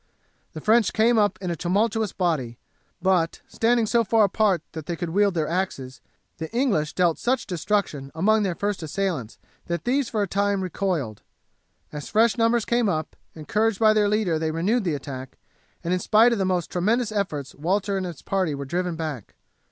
The French came up in a tumultuous body, but, standing so far apart that they could wield their axes, the English dealt such destruction among their first assailants that these for a time recoiled. As fresh numbers came up, encouraged by their leader they renewed the attack, and in spite of the most tremendous efforts Walter and his party were driven back.